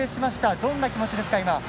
どんな気持ちですか？